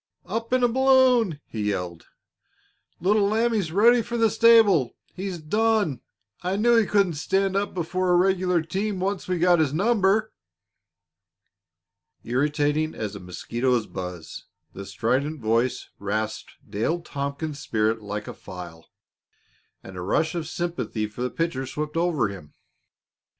"Up in a balloon!" he yelled. "Little Lambie's ready for the stable. He's done. I knew he couldn't stand up before a regular team once we got his number." Irritating as a mosquito's buzz, the strident voice rasped Dale Tompkins's spirit like a file, and a rush of sympathy for the pitcher swept over him.